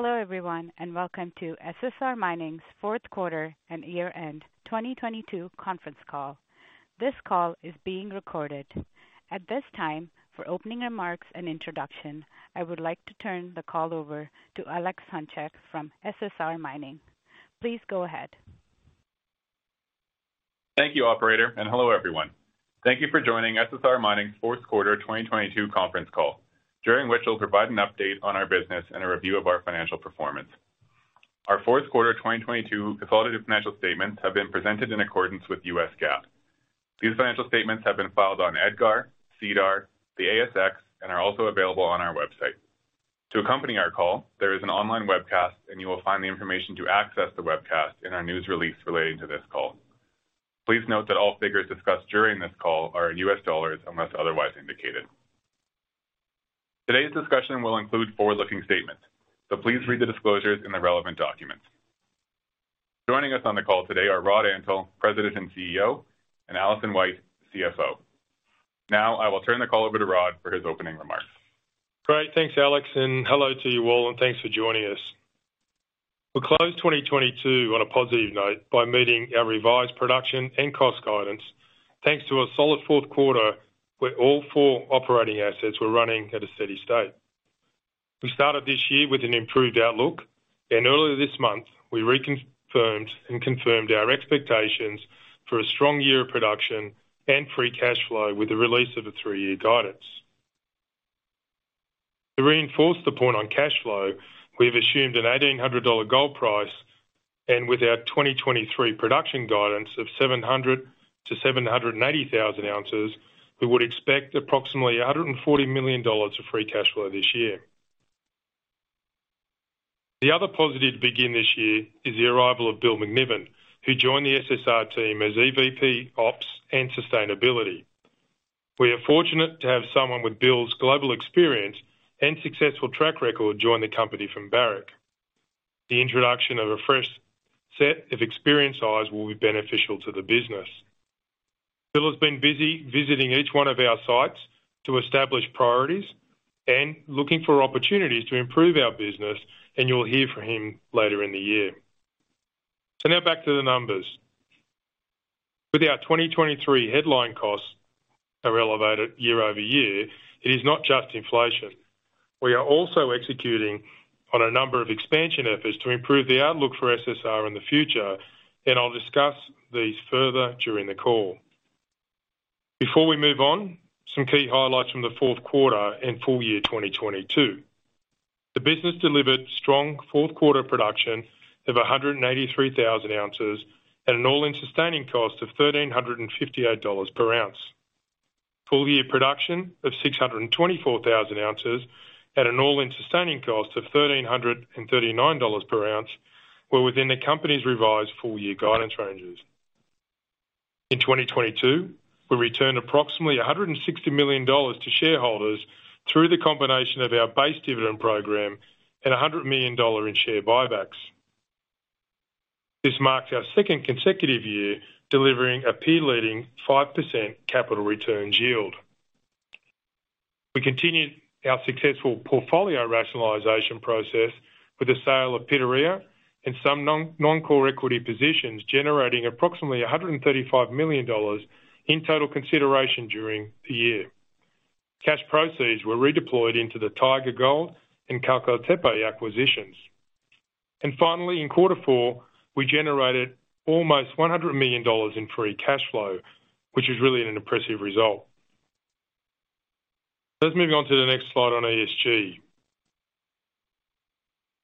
Hello everyone, welcome to SSR Mining's Fourth Quarter and Year-End 2022 conference call. This call is being recorded. At this time, for opening remarks and introduction, I would like to turn the call over to Alex Hunchak from SSR Mining. Please go ahead. Thank you, operator. Hello everyone. Thank you for joining SSR Mining's fourth quarter 2022 conference call, during which we'll provide an update on our business and a review of our financial performance. Our fourth quarter 2022 consolidated financial statements have been presented in accordance with U.S. GAAP. These financial statements have been filed on EDGAR, SEDAR, the ASX, and are also available on our website. To accompany our call, there is an online webcast, and you will find the information to access the webcast in our news release relating to this call. Please note that all figures discussed during this call are in U.S. dollars unless otherwise indicated. Today's discussion will include forward-looking statements, so please read the disclosures in the relevant documents. Joining us on the call today are Rod Antal, President and CEO, and Alison White, CFO. I will turn the call over to Rod for his opening remarks. Great. Thanks, Alex. Hello to you all, and thanks for joining us. We closed 2022 on a positive note by meeting our revised production and cost guidance, thanks to a solid fourth quarter where all four operating assets were running at a steady state. We started this year with an improved outlook. Earlier this month, we confirmed our expectations for a strong year of production and free cash flow with the release of the three-year guidance. To reinforce the point on cash flow, we've assumed an $1,800 gold price. With our 2023 production guidance of 700,000 oz to 780,000 oz, we would expect approximately $140 million of free cash flow this year. The other positive to begin this year is the arrival of Bill MacNiven, who joined the SSR team as EVP, Operations and Sustainability. We are fortunate to have someone with Bill's global experience and successful track record join the company from Barrick. The introduction of a fresh set of experienced eyes will be beneficial to the business. Bill has been busy visiting each one of our sites to establish priorities and looking for opportunities to improve our business, and you'll hear from him later in the year. Now back to the numbers. With our 2023 headline costs are elevated year-over-year, it is not just inflation. We are also executing on a number of expansion efforts to improve the outlook for SSR in the future, and I'll discuss these further during the call. Before we move on, some key highlights from the fourth quarter and full year 2022. The business delivered strong fourth quarter production of 183,000 oz at an all-in sustaining cost of $1,358 per ounce. Full year production of 624,000 oz at an all-in sustaining cost of $1,339 per ounce were within the company's revised full-year guidance ranges. In 2022, we returned approximately $160 million to shareholders through the combination of our base dividend program and $100 million in share buybacks. This marks our second consecutive year delivering a peer leading 5% capital returns yield. We continued our successful portfolio rationalization process with the sale of Pitarrilla and some non-core equity positions, generating approximately $135 million in total consideration during the year. Cash proceeds were redeployed into the Taiga Gold and Çakmaktepe acquisitions. Finally, in quarter four, we generated almost $100 million in free cash flow, which is really an impressive result. Let's move on to the next slide on ESG.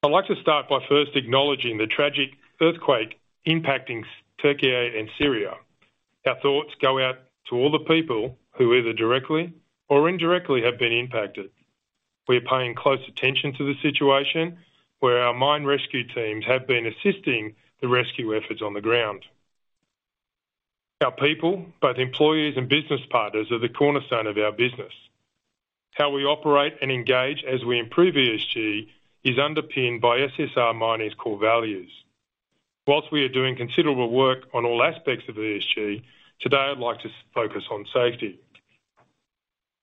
I'd like to start by first acknowledging the tragic earthquake impacting Türkiye and Syria. Our thoughts go out to all the people who either directly or indirectly have been impacted. We are paying close attention to the situation where our mine rescue teams have been assisting the rescue efforts on the ground. Our people, both employees and business partners, are the cornerstone of our business. How we operate and engage as we improve ESG is underpinned by SSR Mining's core values. Whilst we are doing considerable work on all aspects of ESG, today I'd like to focus on safety.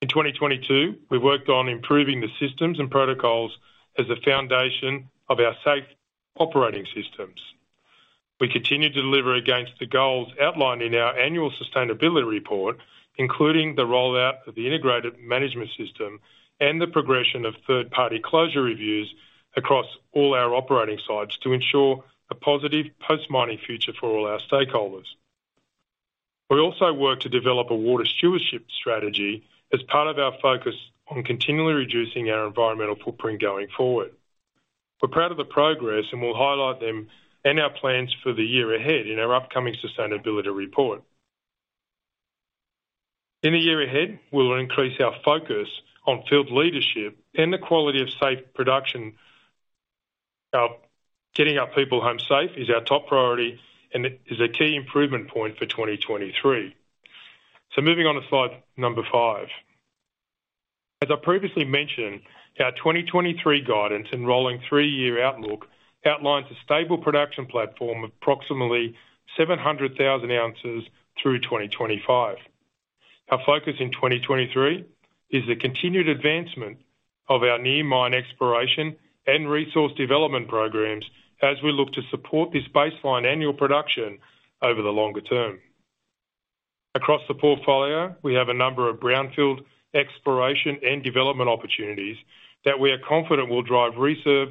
In 2022, we worked on improving the systems and protocols as the foundation of our safe operating systems. We continued to deliver against the goals outlined in our annual sustainability report, including the rollout of the integrated management system and the progression of third-party closure reviews across all our operating sites to ensure a positive post-mining future for all our stakeholders. We also work to develop a water stewardship strategy as part of our focus on continually reducing our environmental footprint going forward. We're proud of the progress, and we'll highlight them and our plans for the year ahead in our upcoming sustainability report. In the year ahead, we will increase our focus on field leadership and the quality of safe production. Getting our people home safe is our top priority and is a key improvement point for 2023. Moving on to slide number five. As I previously mentioned, our 2023 guidance and rolling three-year outlook outlines a stable production platform of approximately 700,000 oz through 2025. Our focus in 2023 is the continued advancement of our near mine exploration and resource development programs as we look to support this baseline annual production over the longer term. Across the portfolio, we have a number of brownfield exploration and development opportunities that we are confident will drive reserve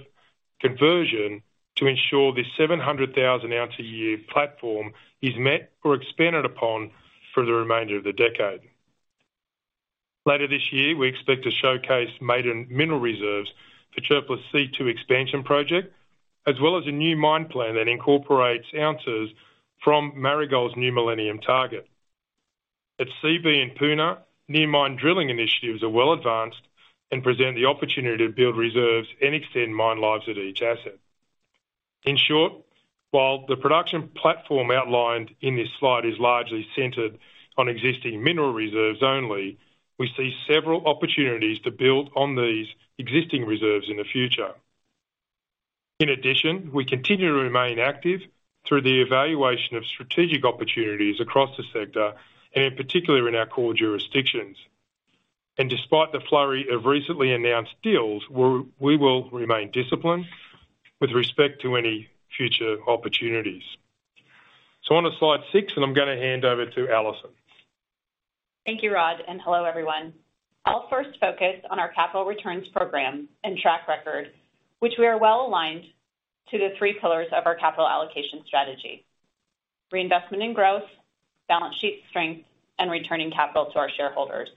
conversion to ensure the 700,000 oz a year platform is met or expanded upon for the remainder of the decade. Later this year, we expect to showcase maiden mineral reserves for Çöpler C2 expansion project, as well as a new mine plan that incorporates ounces from Marigold's New Millennium target. At Seabee and Puna, near mine drilling initiatives are well advanced and present the opportunity to build reserves and extend mine lives at each asset. In short, while the production platform outlined in this slide is largely centered on existing mineral reserves only, we see several opportunities to build on these existing reserves in the future. In addition, we continue to remain active through the evaluation of strategic opportunities across the sector, and in particular in our core jurisdictions. Despite the flurry of recently announced deals, we will remain disciplined with respect to any future opportunities. On to slide six, and I'm gonna hand over to Alison. Thank you, Rod. Hello, everyone. I'll first focus on our capital returns program and track record, which we are well aligned to the three pillars of our capital allocation strategy: reinvestment in growth, balance sheet strength, and returning capital to our shareholders.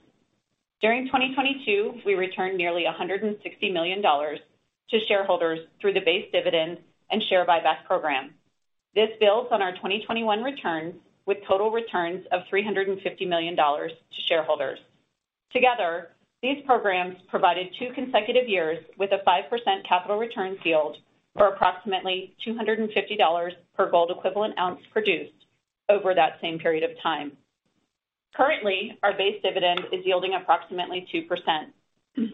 During 2022, we returned nearly $160 million to shareholders through the base dividend and share buyback program. This builds on our 2021 returns with total returns of $350 million to shareholders. Together, these programs provided two consecutive years with a 5% capital return yield for approximately $250 per gold equivalent ounce produced over that same period of time. Currently, our base dividend is yielding approximately 2%.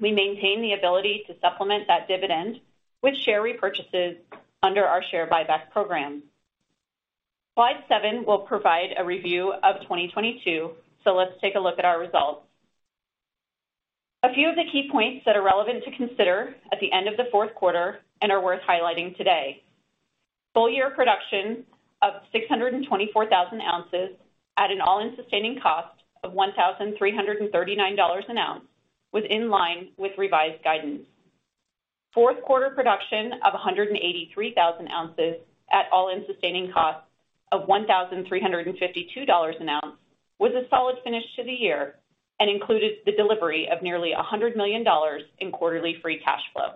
We maintain the ability to supplement that dividend with share repurchases under our share buyback program. Slide seven will provide a review of 2022. Let's take a look at our results. A few of the key points that are relevant to consider at the end of the fourth quarter and are worth highlighting today. Full year production of 624,000 oz at an all-in sustaining cost of $1,339 an ounce was in line with revised guidance. Fourth quarter production of 183,000 oz at all-in sustaining costs of $1,352 an ounce was a solid finish to the year and included the delivery of nearly $100 million in quarterly free cash flow.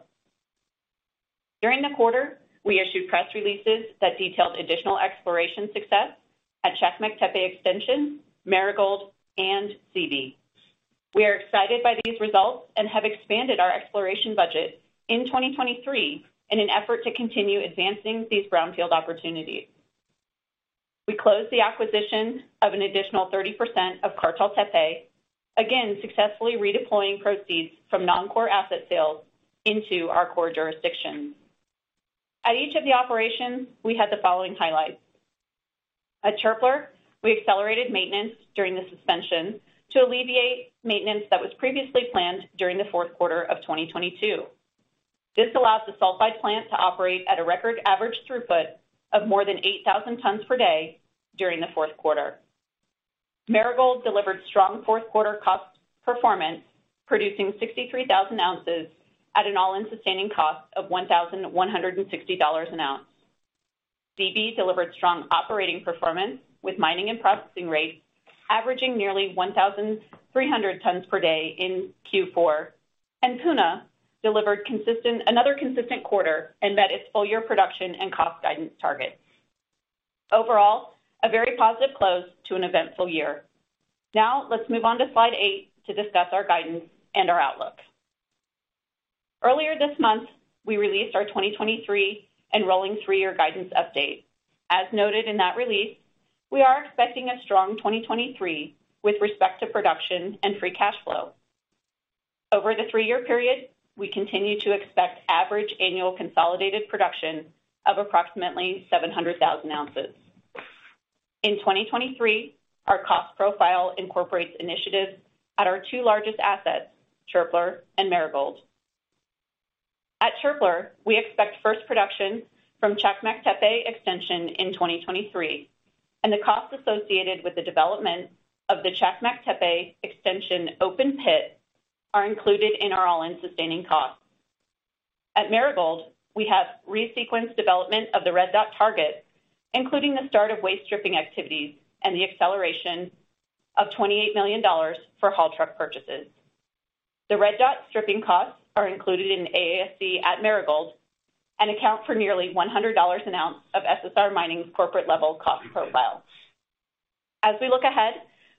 During the quarter, we issued press releases that detailed additional exploration success at Çakmaktepe extension, Marigold, and Seabee. We are excited by these results and have expanded our exploration budget in 2023 in an effort to continue advancing these brownfield opportunities. We closed the acquisition of an additional 30% of Kartaltepe, again, successfully redeploying proceeds from non-core asset sales into our core jurisdictions. At each of the operations, we had the following highlights. At Çöpler, we accelerated maintenance during the suspension to alleviate maintenance that was previously planned during the fourth quarter of 2022. This allows the sulfide plant to operate at a record average throughput of more than 8,000 tons per day during the fourth quarter. Marigold delivered strong fourth quarter cost performance, producing 63,000 oz at an all-in sustaining cost of $1,160 an ounce. Seabee delivered strong operating performance with mining and processing rates averaging nearly 1,300 tons per day in Q4. Puna delivered another consistent quarter and met its full-year production and cost guidance targets. Overall, a very positive close to an eventful year. Now let's move on to slide eight to discuss our guidance and our outlook. Earlier this month, we released our 2023 and rolling three-year guidance update. As noted in that release, we are expecting a strong 2023 with respect to production and free cash flow. Over the three-year period, we continue to expect average annual consolidated production of approximately 700,000 oz. In 2023, our cost profile incorporates initiatives at our two largest assets, Çöpler and Marigold. At Çöpler, we expect first production from Çakmaktepe extension in 2023, and the cost associated with the development of the Çakmaktepe extension open pit are included in our all-in sustaining cost. At Marigold, we have resequenced development of the Red Dot target, including the start of waste stripping activities and the acceleration of $28 million for haul truck purchases. The Red Dot stripping costs are included in AISC at Marigold and account for nearly $100 an ounce of SSR Mining's corporate-level cost profile. As we look ahead,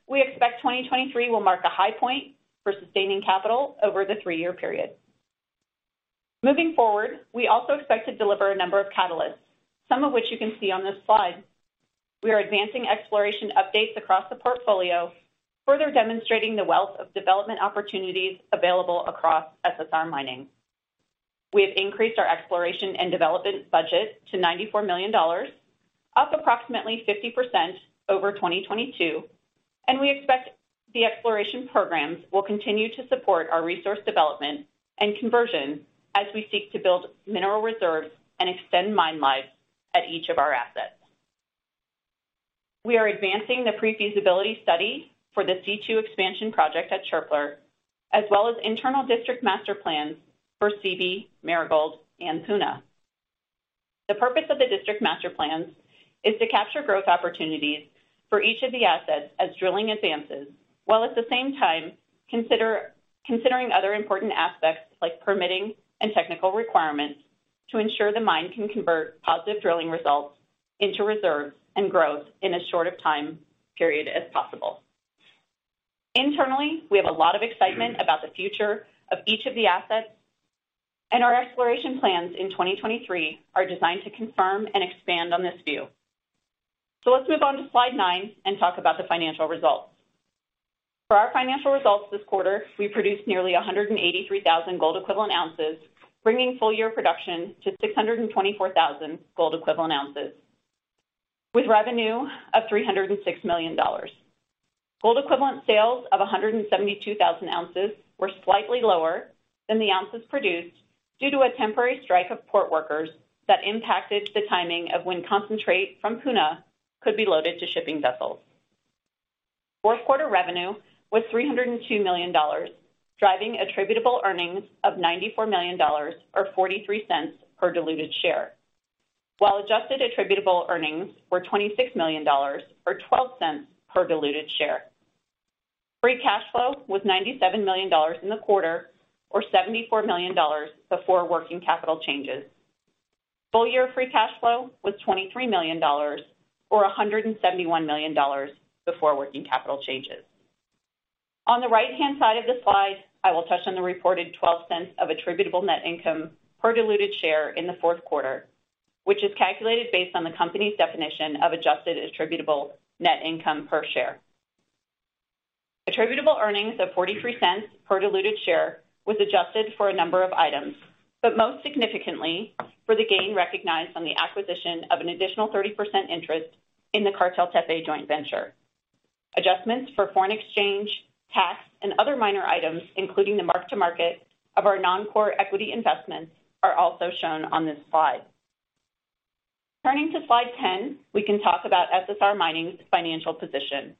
we expect 2023 will mark a high point for sustaining capital over the three-year period. Moving forward, we also expect to deliver a number of catalysts, some of which you can see on this slide. We are advancing exploration updates across the portfolio, further demonstrating the wealth of development opportunities available across SSR Mining. We have increased our exploration and development budget to $94 million, up approximately 50% over 2022. We expect the exploration programs will continue to support our resource development and conversion as we seek to build mineral reserves and extend mine life at each of our assets. We are advancing the pre-feasibility study for the Çöpler C2 expansion project, as well as internal district master plans for Seabee, Marigold, and Puna. The purpose of the district master plans is to capture growth opportunities for each of the assets as drilling advances, while at the same time, considering other important aspects like permitting and technical requirements to ensure the mine can convert positive drilling results into reserves and growth in as short of time period as possible. Internally, we have a lot of excitement about the future of each of the assets. Our exploration plans in 2023 are designed to confirm and expand on this view. Let's move on to slide nine and talk about the financial results. For our financial results this quarter, we produced nearly 183,000 gold equivalent ounces, bringing full year production to 624,000 gold equivalent ounces with revenue of $306 million. Gold equivalent sales of 172,000 oz were slightly lower than the ounces produced due to a temporary strike of port workers that impacted the timing of when concentrate from Puna could be loaded to shipping vessels. Fourth quarter revenue was $302 million, driving attributable earnings of $94 million, or $0.43 per diluted share. While adjusted attributable earnings were $26 million or $0.12 per diluted share. Free cash flow was $97 million in the quarter, or $74 million before working capital changes. Full year free cash flow was $23 million or $171 million before working capital changes. On the right-hand side of the slide, I will touch on the reported $0.12 of attributable net income per diluted share in the fourth quarter, which is calculated based on the company's definition of adjusted attributable net income per share. Attributable earnings of $0.43 per diluted share was adjusted for a number of items, but most significantly for the gain recognized on the acquisition of an additional 30% interest in the Kartaltepe joint venture. Adjustments for foreign exchange, tax, and other minor items, including the mark to market of our non-core equity investments, are also shown on this slide. Turning to slide 10, we can talk about SSR Mining's financial position.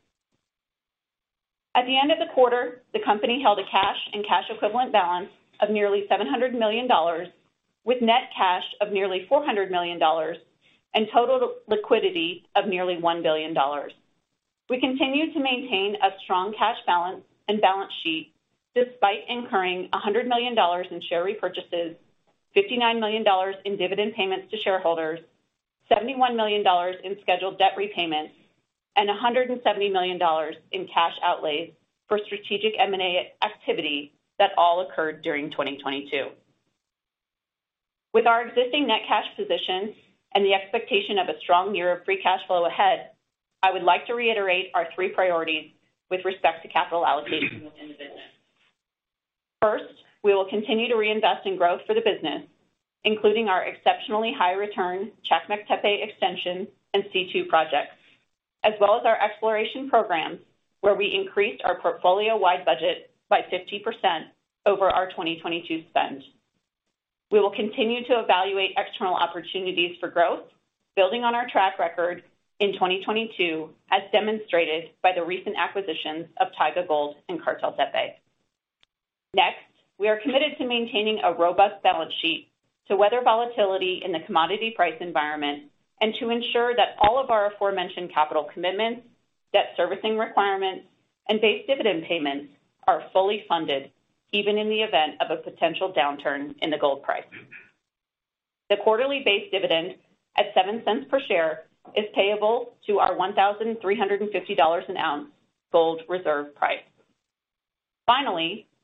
At the end of the quarter, the company held a cash and cash equivalent balance of nearly $700 million, with net cash of nearly $400 million and total liquidity of nearly $1 billion. We continue to maintain a strong cash balance and balance sheet despite incurring $100 million in share repurchases, $59 million in dividend payments to shareholders, $71 million in scheduled debt repayments, and $170 million in cash outlays for strategic M&A activity that all occurred during 2022. With our existing net cash position and the expectation of a strong year of free cash flow ahead, I would like to reiterate our three priorities with respect to capital allocation within the business. First, we will continue to reinvest in growth for the business, including our exceptionally high return, Çakmaktepe extension and C2 projects, as well as our exploration programs, where we increased our portfolio-wide budget by 50% over our 2022 spend. We will continue to evaluate external opportunities for growth, building on our track record in 2022, as demonstrated by the recent acquisitions of Taiga Gold and Kartaltepe. We are committed to maintaining a robust balance sheet to weather volatility in the commodity price environment and to ensure that all of our aforementioned capital commitments, debt servicing requirements, and base dividend payments are fully funded even in the event of a potential downturn in the gold price. The quarterly base dividend at $0.07 per share is payable to our $1,350 an ounce gold reserve price.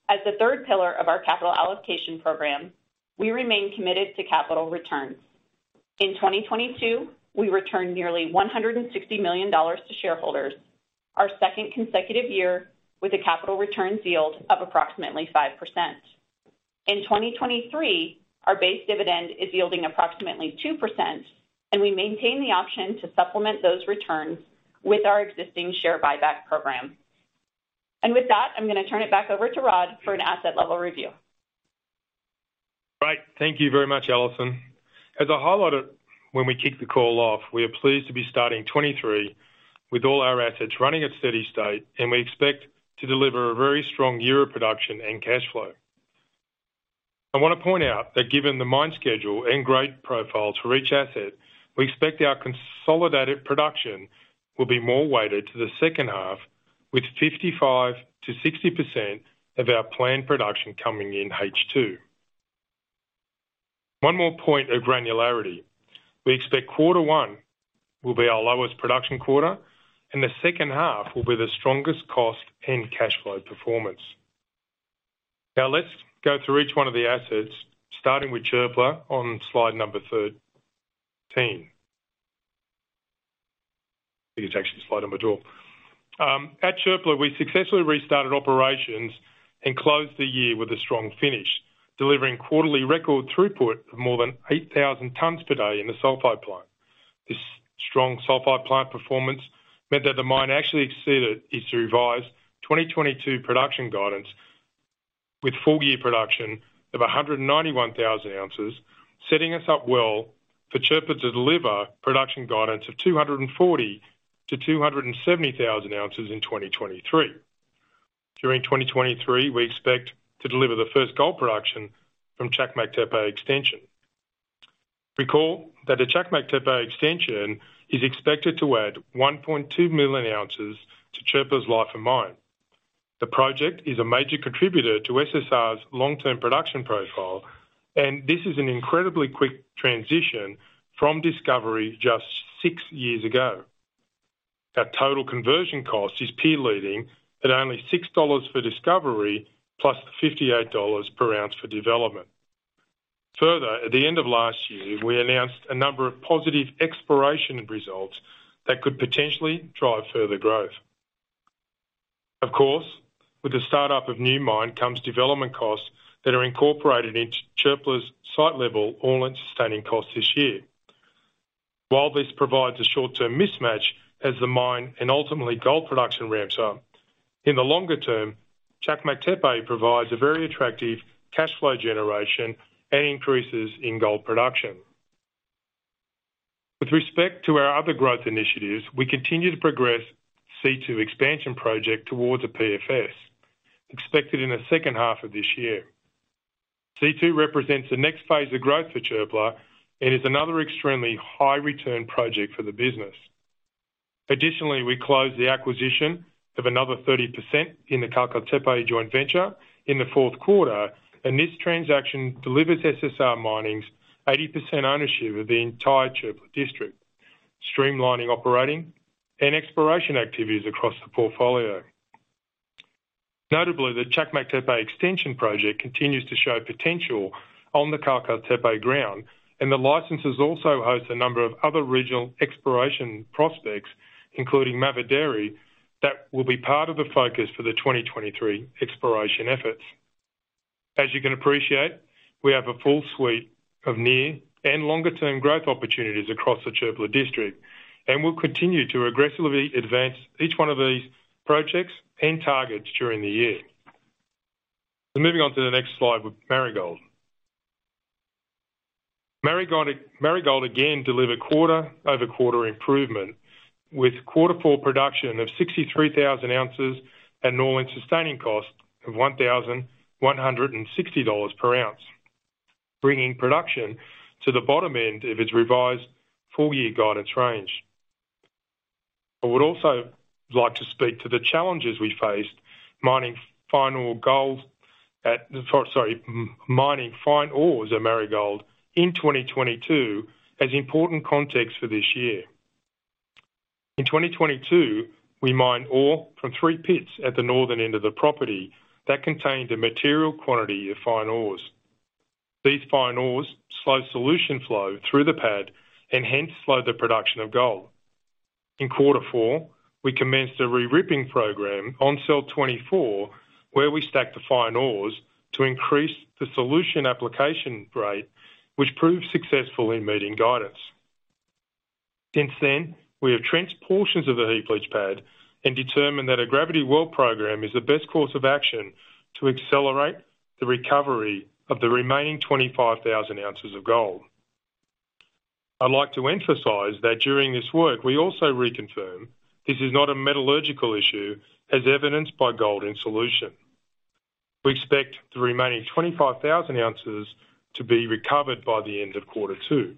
As the third pillar of our capital allocation program, we remain committed to capital returns. In 2022, we returned nearly $160 million to shareholders, our second consecutive year with a capital returns yield of approximately 5%. In 2023, our base dividend is yielding approximately 2%, we maintain the option to supplement those returns with our existing share buyback program. With that, I'm gonna turn it back over to Rod for an asset level review. Great. Thank you very much, Alison. As I highlighted when we kicked the call off, we are pleased to be starting 23 with all our assets running at steady-state, and we expect to deliver a very strong year of production and cash flow. I wanna point out that given the mine schedule and grade profile for each asset, we expect our consolidated production will be more weighted to the second half with 55%-60% of our planned production coming in H2. One more point of granularity. We expect quarter one will be our lowest production quarter and the second half will be the strongest cost and cash flow performance. Now let's go through each one of the assets, starting with Çöpler on slide number two. At Çöpler, we successfully restarted operations and closed the year with a strong finish, delivering quarterly record throughput of more than 8,000 tons per day in the sulfide plant. This strong sulfide plant performance meant that the mine actually exceeded its revised 2022 production guidance with full year production of 191,000 oz, setting us up well for Çöpler to deliver production guidance of 240,000 oz -270,000 oz in 2023. During 2023, we expect to deliver the first gold production from Çakmaktepe extension. Recall that the Çakmaktepe extension is expected to add 1.2 million oz to Çöpler's life of mine. The project is a major contributor to SSR's long-term production profile, and this is an incredibly quick transition from discovery just six years ago. That total conversion cost is peer leading at only $6 for discovery, plus $58 per ounce for development. At the end of last year, we announced a number of positive exploration results that could potentially drive further growth. Of course, with the start of new mine comes development costs that are incorporated into Çöpler's site level all-in sustaining costs this year. While this provides a short-term mismatch as the mine and ultimately gold production ramps up, in the longer term, Çakmaktepe provides a very attractive cash flow generation and increases in gold production. With respect to our other growth initiatives, we continue to progress C2 expansion project towards a PFS expected in the second half of this year. C2 represents the next phase of growth for Çöpler and is another extremely high return project for the business. Additionally, we closed the acquisition of another 30% in the Kartaltepe joint venture in the fourth quarter. This transaction delivers SSR Mining's 80% ownership of the entire Çöpler district, streamlining operating and exploration activities across the portfolio. Notably, the Çakmaktepe extension project continues to show potential on the Kartaltepe ground. The licenses also host a number of other regional exploration prospects, including Mavidere that will be part of the focus for the 2023 exploration efforts. As you can appreciate, we have a full suite of near and longer term growth opportunities across the Çöpler district. We'll continue to aggressively advance each one of these projects and targets during the year. Moving on to the next slide with Marigold. Marigold again delivered quarter-over-quarter improvement with quarter four production of 63,000 oz at an all-in sustaining cost of $1,160 per ounce, bringing production to the bottom end of its revised full year guidance range. I would also like to speak to the challenges we faced mining fine ores at Marigold in 2022 as important context for this year. In 2022, we mined ore from three pits at the northern end of the property that contained a material quantity of fine ores. These fine ores slowed solution flow through the pad and hence slowed the production of gold. In quarter four, we commenced a re-ripping program on cell twenty-four, where we stacked the fine ores to increase the solution application rate, which proved successful in meeting guidance. Since then, we have trench portions of the heap leach pad and determined that a gravity well program is the best course of action to accelerate the recovery of the remaining 25,000 oz of gold. I'd like to emphasize that during this work, we also reconfirm this is not a metallurgical issue as evidenced by gold in solution. We expect the remaining 25,000 oz to be recovered by the end of quarter two.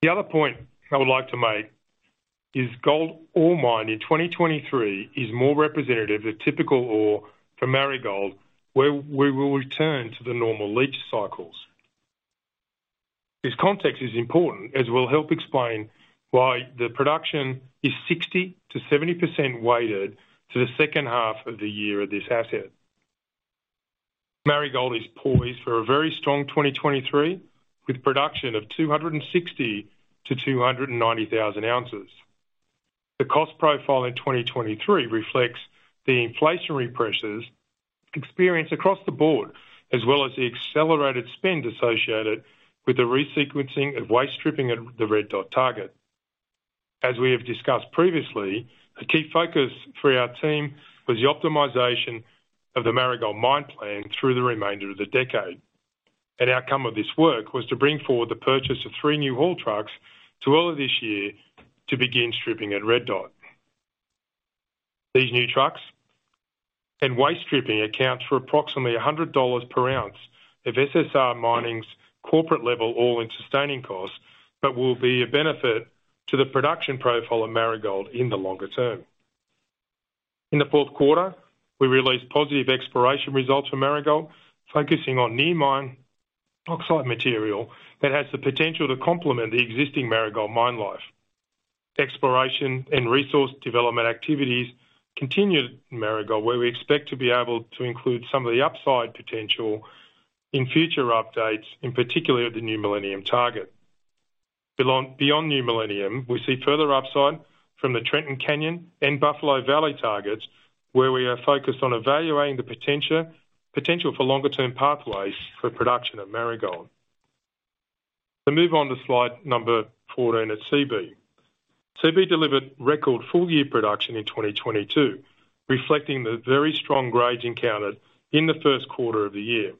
The other point I would like to make is gold ore mined in 2023 is more representative of typical ore for Marigold, where we will return to the normal leach cycles. This context is important as it will help explain why the production is 60%-70% weighted to the second half of the year of this asset. Marigold is poised for a very strong 2023 with production of 260,000 oz -290,000 oz. The cost profile in 2023 reflects the inflationary pressures experienced across the board, as well as the accelerated spend associated with the re-sequencing of waste stripping at the Red Dot target. As we have discussed previously, a key focus for our team was the optimization of the Marigold mine plan through the remainder of the decade. An outcome of this work was to bring forward the purchase of three new haul trucks to earlier this year to begin stripping at Red Dot. These new trucks and waste stripping accounts for approximately $100 per ounce of SSR Mining's corporate level all-in sustaining costs, but will be a benefit to the production profile at Marigold in the longer term. In the fourth quarter, we released positive exploration results for Marigold, focusing on near mine oxide material that has the potential to complement the existing Marigold mine life. Exploration and resource development activities continued at Marigold, where we expect to be able to include some of the upside potential in future updates, in particular the New Millennium target. Beyond New Millennium, we see further upside from the Trenton Canyon and Buffalo Valley targets, where we are focused on evaluating the potential for longer-term pathways for production at Marigold. We move on to slide number 14 at Seabee. Seabee delivered record full-year production in 2022, reflecting the very strong grades encountered in the first quarter of the year.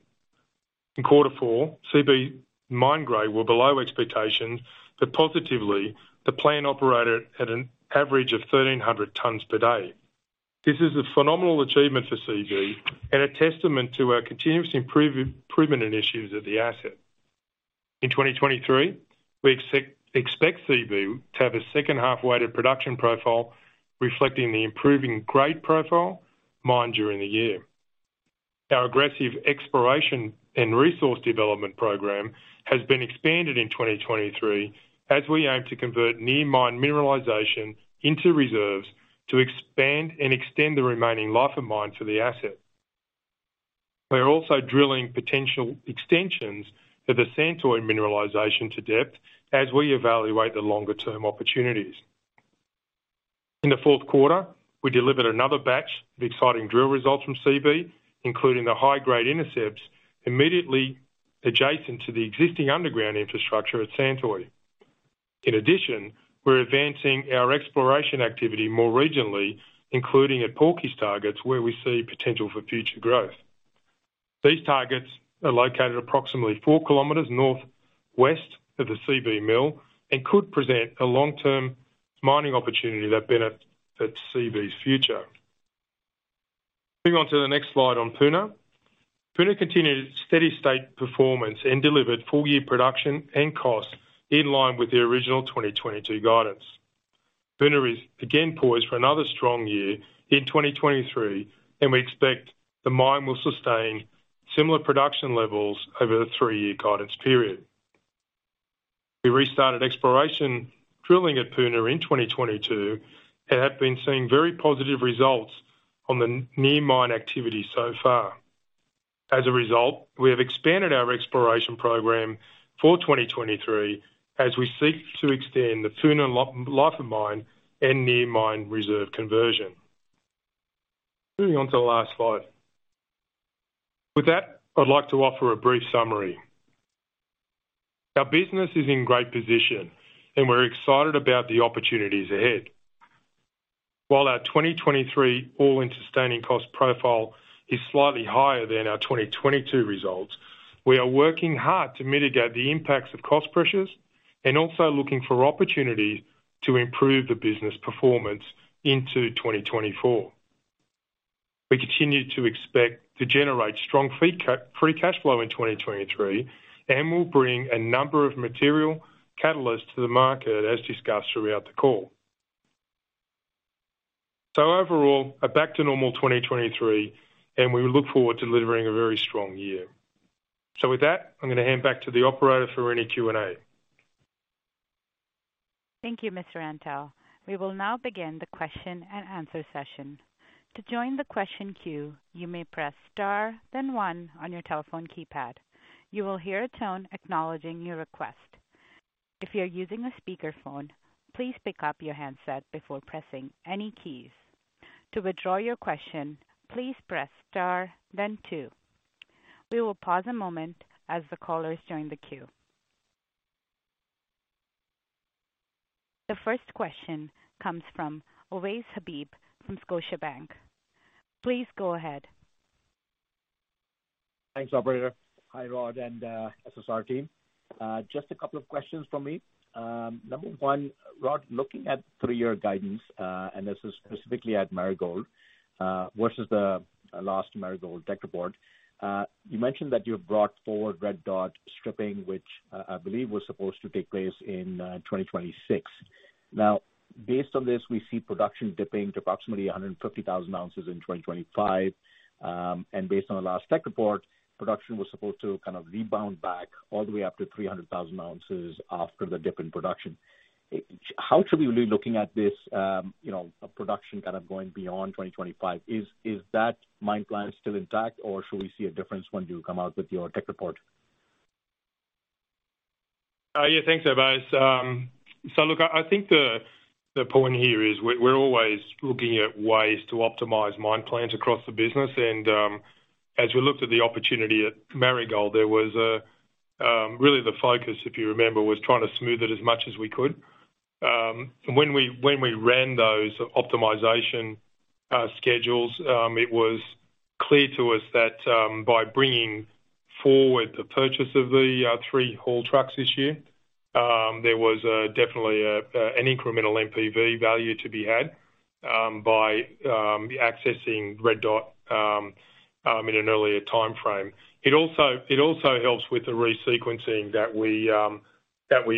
Quarter four, Seabee mine grade were below expectations, but positively, the plant operated at an average of 1,300 tons per day. This is a phenomenal achievement for Seabee and a testament to our continuous improvement initiatives at the asset. In 2023, we expect Seabee to have a second half weighted production profile reflecting the improving grade profile mined during the year. Our aggressive exploration and resource development program has been expanded in 2023 as we aim to convert near mine mineralization into reserves to expand and extend the remaining life of mine to the asset. We are also drilling potential extensions of the Santoy mineralization to depth as we evaluate the longer term opportunities. In the fourth quarter, we delivered another batch of exciting drill results from Seabee, including the high-grade intercepts immediately adjacent to the existing underground infrastructure at Santoy. In addition, we're advancing our exploration activity more regionally, including at Porkies targets, where we see potential for future growth. These targets are located approximately 4 km northwest of the Seabee mill and could present a long-term mining opportunity that benefits Seabee's future. Moving on to the next slide on Puna. Puna continued steady-state performance and delivered full-year production and cost in line with the original 2022 guidance. Puna is again poised for another strong year in 2023, and we expect the mine will sustain similar production levels over the three-year guidance period. We restarted exploration drilling at Puna in 2022 and have been seeing very positive results on the near mine activity so far. As a result, we have expanded our exploration program for 2023 as we seek to extend the Puna life of mine and near mine reserve conversion. Moving on to the last slide. With that, I'd like to offer a brief summary. Our business is in great position, and we're excited about the opportunities ahead. While our 2023 all-in sustaining cost profile is slightly higher than our 2022 results, we are working hard to mitigate the impacts of cost pressures and also looking for opportunities to improve the business performance into 2024. We continue to expect to generate strong free cash flow in 2023 and will bring a number of material catalysts to the market as discussed throughout the call. Overall, a back to normal 2023, and we look forward to delivering a very strong year. With that, I'm gonna hand back to the operator for any Q&A. Thank you, Mr. Antal. We will now begin the question-and-answer session. To join the question queue, you may press star then one on your telephone keypad. You will hear a tone acknowledging your request. If you are using a speakerphone, please pick up your handset before pressing any keys. To withdraw your question, please press star then two. We will pause a moment as the callers join the queue. The first question comes from Ovais Habib from Scotiabank. Please go ahead. Thanks, operator. Hi, Rod and SSR team. Just a couple of questions from me. Number one, Rod, looking at three-year guidance, and this is specifically at Marigold, versus the last Marigold tech report, you mentioned that you have brought forward Red Dot stripping, which I believe was supposed to take place in 2026. Now, based on this, we see production dipping to approximately 150,000 oz in 2025. Based on the last tech report, production was supposed to kind of rebound back all the way up to 300,000 oz after the dip in production. How should we be looking at this, you know, production kind of going beyond 2025? Is that mine plan still intact, or should we see a difference when you come out with your tech report? Yeah, thanks, Ovais. Look, I think the point here is we're always looking at ways to optimize mine plans across the business. As we looked at the opportunity at Marigold, there was a really the focus, if you remember, was trying to smooth it as much as we could. When we ran those optimization schedules, it was clear to us that by bringing forward the purchase of the three haul trucks this year, there was definitely an incremental NPV value to be had by accessing Red Dot in an earlier timeframe. It also helps with the resequencing that we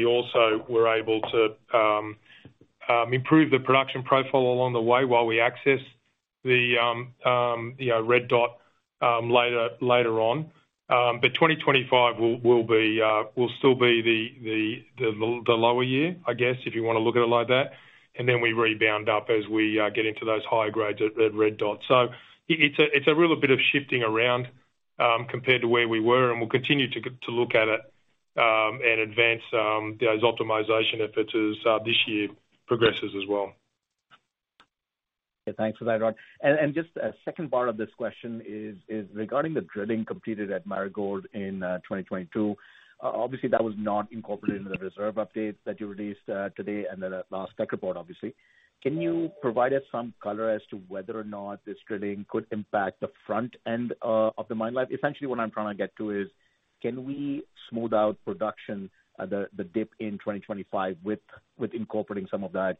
also were able to improve the production profile along the way while we access the, you know, Red Dot later on. 2025 will still be the lower year, I guess, if you wanna look at it like that. We rebound up as we get into those higher grades at Red Dot. It's a real bit of shifting around compared to where we were, and we'll continue to look at it and advance those optimization efforts as this year progresses as well. Thanks for that, Rod. Just a second part of this question is regarding the drilling completed at Marigold in 2022. Obviously, that was not incorporated into the reserve update that you released today and the last tech report, obviously. Can you provide us some color as to whether or not this drilling could impact the front end of the mine life? Essentially, what I'm trying to get to is, can we smooth out production, the dip in 2025 with incorporating some of that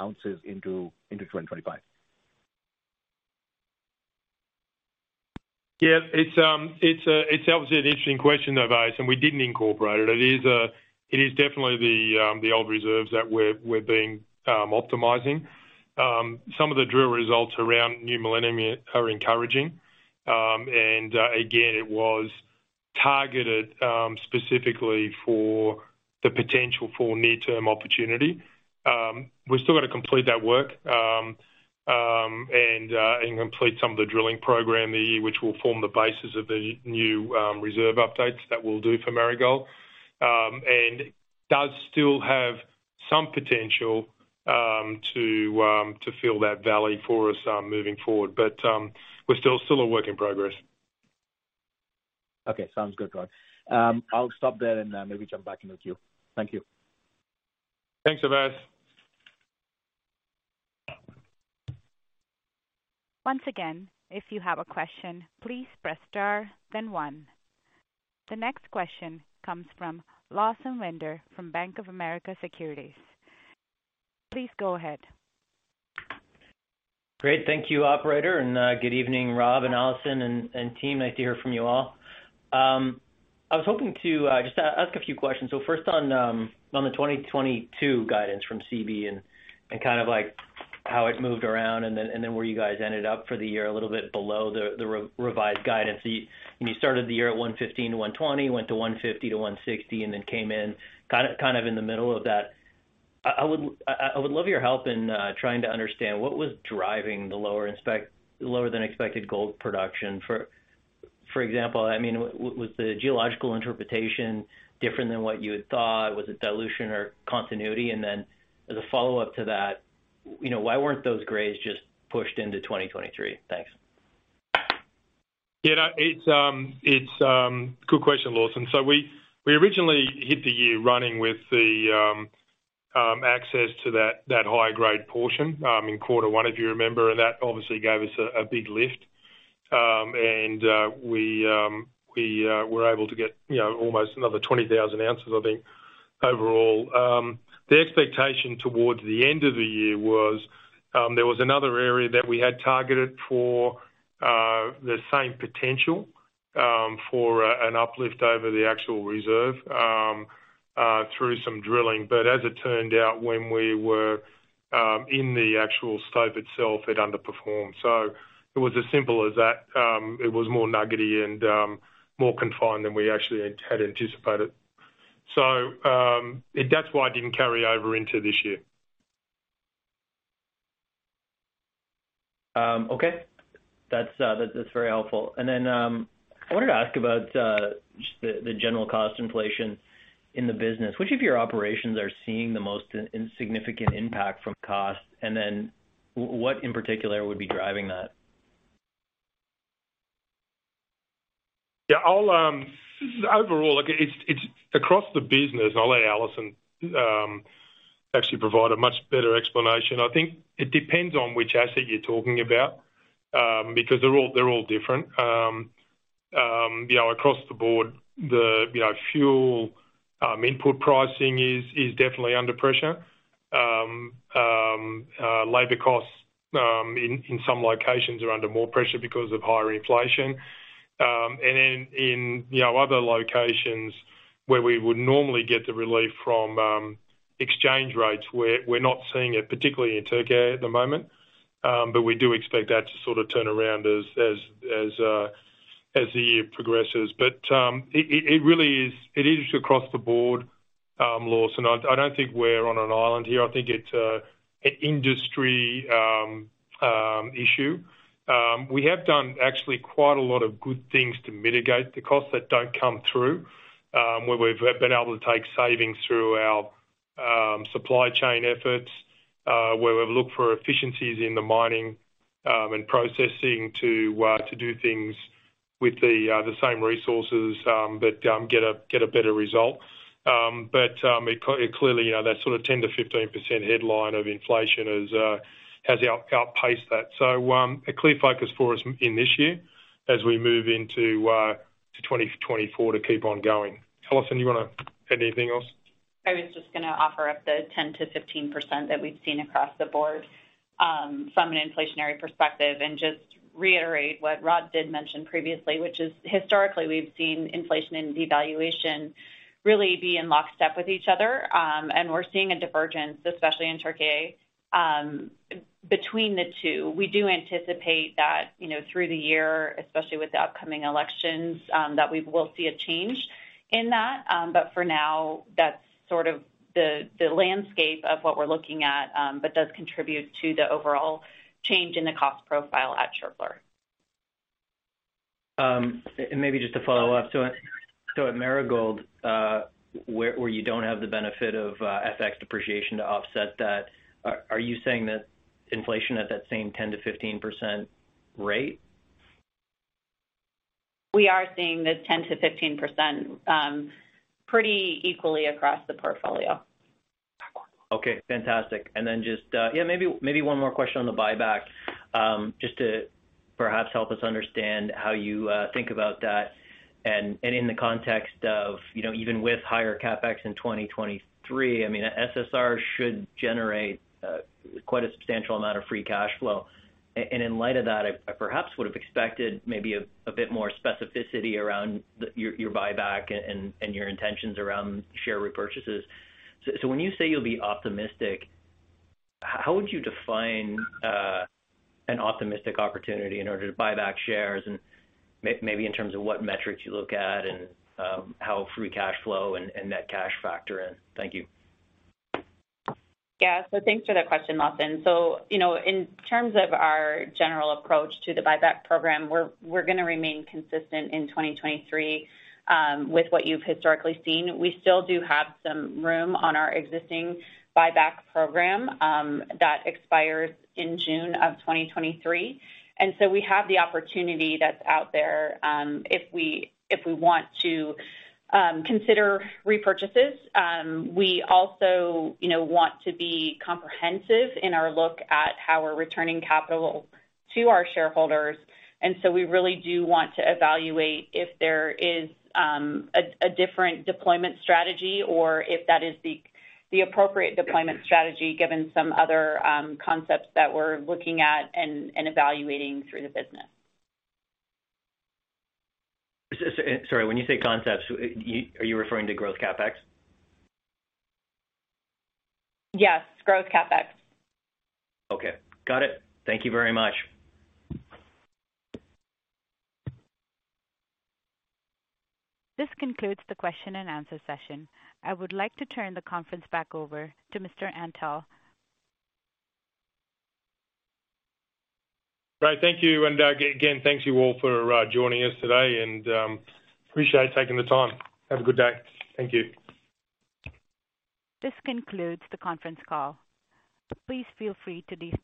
ounces into 2025? It's obviously an interesting question, though, Ovais, and we didn't incorporate it. It is definitely the old reserves that we're being optimizing. Some of the drill results around New Millennium are encouraging. Again, it was targeted specifically for the potential for near-term opportunity. We've still got to complete that work and complete some of the drilling program which will form the basis of the new reserve updates that we'll do for Marigold. It does still have some potential to fill that valley for us moving forward. We're still a work in progress. Okay. Sounds good, Rod. I'll stop there and maybe jump back in the queue. Thank you. Thanks, Avais. Once again, if you have a question, please press star, then one. The next question comes from Lawson Winder from Bank of America Securities. Please go ahead. Great. Thank you, operator. Good evening, Rod and Alison and team. Nice to hear from you all. I was hoping to ask a few questions. First on the 2022 guidance from Seabee and kind of like how it moved around and then where you guys ended up for the year, a little bit below the revised guidance. You started the year at $115-$120, went to $150-$160, and then came in kind of in the middle of that. I would love your help in trying to understand what was driving the lower than expected gold production? For example, I mean, was the geological interpretation different than what you had thought? Was it dilution or continuity? As a follow-up to that, you know, why weren't those grades just pushed into 2023? Thanks. Yeah. It's, it's good question, Lawson. We, we originally hit the year running with the access to that high-grade portion in quarter one, if you remember, and that obviously gave us a big lift. And we were able to get, you know, almost another 20,000 oz, I think, overall. The expectation towards the end of the year was, there was another area that we had targeted for the same potential for an uplift over the actual reserve through some drilling. As it turned out, when we were in the actual scope itself, it underperformed. It was as simple as that. It was more nuggety and more confined than we actually had anticipated. That's why it didn't carry over into this year. Okay. That's very helpful. I wanted to ask about just the general cost inflation in the business. Which of your operations are seeing the most insignificant impact from cost? What in particular would be driving that? Yeah, I'll. Overall, like it's across the business. I'll let Alison actually provide a much better explanation. I think it depends on which asset you're talking about because they're all different. You know, across the board, you know, fuel input pricing is definitely under pressure. Labor costs in some locations are under more pressure because of higher inflation. In, you know, other locations where we would normally get the relief from exchange rates, we're not seeing it, particularly in Turkey at the moment. We do expect that to sort of turn around as the year progresses. It really is across the board, Lawson. I don't think we're on an island here. I think it's an industry issue. We have done actually quite a lot of good things to mitigate the costs that don't come through, where we've been able to take savings through our supply chain efforts, where we've looked for efficiencies in the mining and processing to do things with the same resources, but get a better result. But clearly, you know, that sort of 10%-15% headline of inflation is has outpaced that. A clear focus for us in this year as we move into 2024 to keep on going. Alison, you wanna add anything else? I was just gonna offer up the 10%-15% that we've seen across the board from an inflationary perspective, and just reiterate what Rod did mention previously, which is, historically, we've seen inflation and devaluation really be in lockstep with each other. We're seeing a divergence, especially in Turkey, between the two. We do anticipate that, you know, through the year, especially with the upcoming elections, that we will see a change in that. For now, that's sort of the landscape of what we're looking at, but does contribute to the overall change in the cost profile at Çakmaktepe. Maybe just to follow up. At Marigold, where you don't have the benefit of FX depreciation to offset that, are you saying that inflation at that same 10%-15% rate? We are seeing the 10%-15% pretty equally across the portfolio. Okay, fantastic. Just maybe one more question on the buyback, just to perhaps help us understand how you think about that. In the context of, you know, even with higher CapEx in 2023, I mean, SSR should generate quite a substantial amount of free cash flow. In light of that, I perhaps would have expected maybe a bit more specificity around your buyback and your intentions around share repurchases. When you say you'll be optimistic, how would you define an optimistic opportunity in order to buy back shares and maybe in terms of what metrics you look at and how free cash flow and net cash factor in? Thank you. Yeah. Thanks for that question, Lawson. You know, in terms of our general approach to the buyback program, we're gonna remain consistent in 2023 with what you've historically seen. We still do have some room on our existing buyback program that expires in June 2023. We have the opportunity that's out there if we, if we want to consider repurchases. We also, you know, want to be comprehensive in our look at how we're returning capital to our shareholders. We really do want to evaluate if there is a different deployment strategy or if that is the appropriate deployment strategy, given some other concepts that we're looking at and evaluating through the business. Sorry. When you say concepts, are you referring to growth CapEx? Yes, growth CapEx. Okay, got it. Thank you very much. This concludes the question and answer session. I would like to turn the conference back over to Mr. Antal. Great. Thank you. Again, thanks you all for joining us today and appreciate taking the time. Have a good day. Thank you. This concludes the conference call. Please feel free to disconnect.